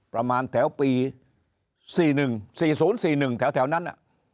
ประมาณแถวปี๔๑๔๐๔๑แถวนั้น